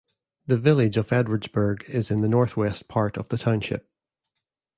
The village of Edwardsburg is in the northwest part of the township.